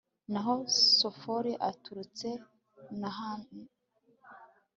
naho sofari aturutse nahama